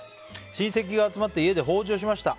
親戚が集まって家で法事をしました。